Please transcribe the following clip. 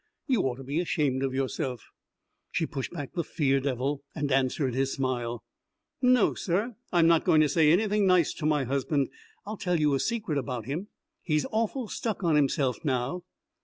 You ought to be ashamed of yourself." She pushed back the fear devil and answered his smile. 'No, sir, I'm not going to say anything nice to my husband. I'll tell you a secret about him he's awful stuck on himself now."